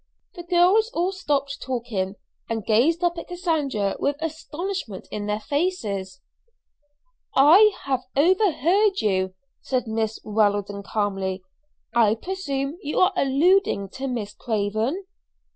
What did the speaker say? The girls all stopped talking, and gazed up at Cassandra with astonishment in their faces. "I have overheard you," said Miss Weldon calmly. "I presume you are alluding to Miss Craven?"